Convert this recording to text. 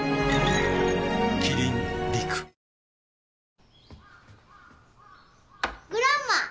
キリン「陸」グランマ！